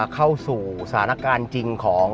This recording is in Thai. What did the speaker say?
เข้าสู่สถานการณ์จริงของ